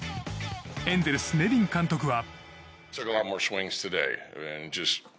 エンゼルス、ネビン監督は。